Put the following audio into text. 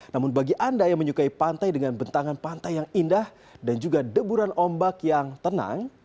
namun bagi anda yang menyukai pantai dengan bentangan pantai yang indah dan juga deburan ombak yang tenang